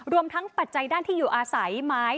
รวมทั้งปัจจัยด้านที่อยู่อาศัยไม้